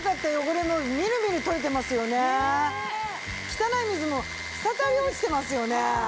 汚い水も滴り落ちてますよね。